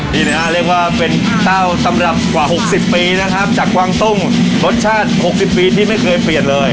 นี่นะฮะเรียกว่าเป็นเต้าตำรับกว่า๖๐ปีนะครับจากกวางตุ้งรสชาติ๖๐ปีที่ไม่เคยเปลี่ยนเลย